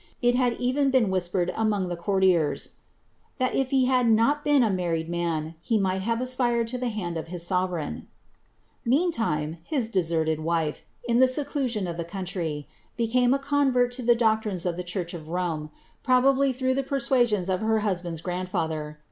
It had even been whispered among the cour tiers, "that if he bad not been a merited man, he might have aspired to the hand of his sovereign,"' Meantime, his deserted wife, in the sedu sion of ihe country, became a convert to the doctrines of the church of Rome, probably through the persuasions of her husband's grandfather.